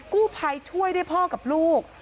กู้ภัยช่วยได้พ่อกับลูก